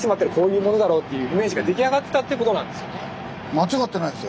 間違ってないですよね。